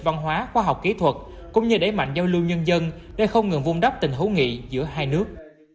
văn hóa khoa học kỹ thuật cũng như đẩy mạnh giao lưu nhân dân để không ngừng vung đắp tình hữu nghị giữa hai nước